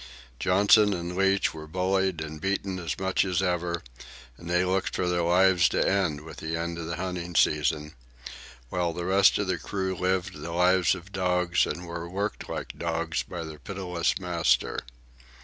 Johnson and Leach were bullied and beaten as much as ever, and they looked for their lives to end with the end of the hunting season; while the rest of the crew lived the lives of dogs and were worked like dogs by their pitiless master.